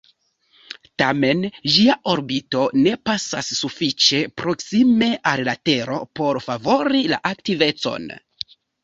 Tamen, ĝia orbito ne pasas sufiĉe proksime al la tero por favori la aktivecon.